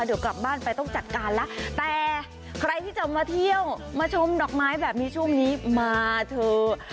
เดี๋ยวกลับบ้านไปต้องจัดการแล้วแต่ใครที่จะมาเที่ยวมาชมดอกไม้แบบนี้ช่วงนี้มาเถอะ